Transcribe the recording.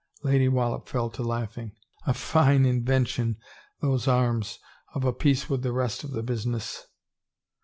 Lady Wallop fell to laughing. "A fine invention, those arms — of a piece with the rest of the business."